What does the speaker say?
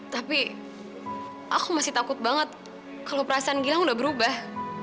tapi aku masih takut banget kalau perasaan gilang udah berubah